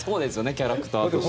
キャラクターとして。